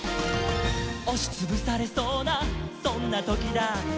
「おしつぶされそうなそんなときだって」